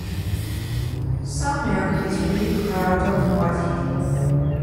Sumner is really proud of what he did.